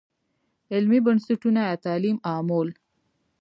علمي بنسټونه یا تعلیم عامول.